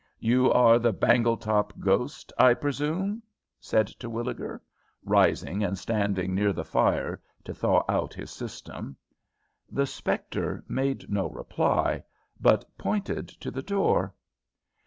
"You are the Bangletop ghost, I presume?" said Terwilliger, rising and standing near the fire to thaw out his system. The spectre made no reply, but pointed to the door.